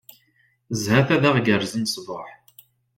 Zhat ad aɣ-gerzen ṣṣbuḥ.